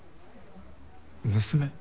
娘。